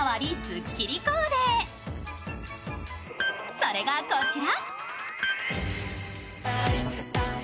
それがこちら。